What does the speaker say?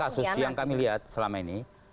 kasus yang kami lihat selama ini